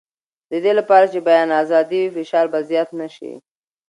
د دې لپاره چې بیان ازاد وي، فشار به زیات نه شي.